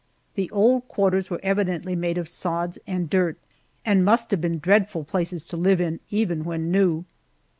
The old quarters were evidently made of sods and dirt, and must have been dreadful places to live in even when new.